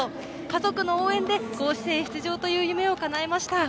家族の応援で甲子園出場という夢をかなえました。